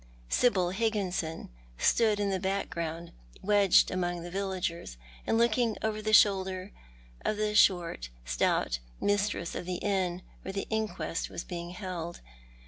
Sibyl Higginson s'.ood in the background, wedged among the villagers, and looking over the shoulder of the short, stout mistress of the inn where the inquest was being held.